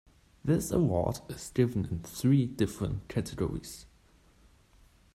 This award is given in three different categories.